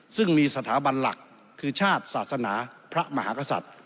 ซึ่งมีสถาบันหลักคือชาติศาสนาพระมหากษัตริย์